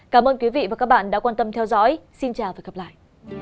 cảm ơn quý vị và các bạn đã quan tâm theo dõi xin chào và hẹn gặp lại